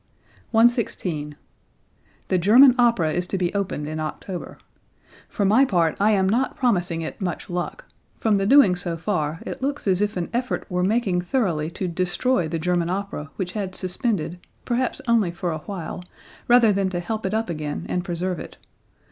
116. "The German Opera is to be opened in October. For my part I am not promising it much luck. From the doings so far it looks as if an effort were making thoroughly to destroy the German opera which had suspended, perhaps only for a while, rather than to help it up again and preserve it.